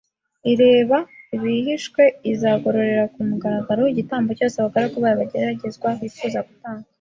ireba ibihishwe izagororera ku mugaragaro igitambo cyose abagaragu bayo bageragezwa bifuje gutanga